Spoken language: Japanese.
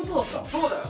そうだよ。